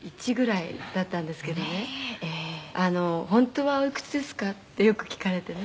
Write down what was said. “本当はおいくつですか？”ってよく聞かれてね」